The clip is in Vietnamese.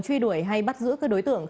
truy đuổi hay bắt giữ các đối tượng